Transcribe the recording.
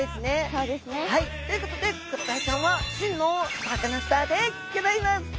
そうですね。ということでクロダイちゃんは真のサカナスターでギョざいます。